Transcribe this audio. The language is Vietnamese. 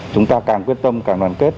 chúng ta càng quyết tâm càng đoàn kết